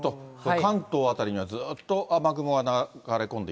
関東辺りにはずっと雨雲が流れ込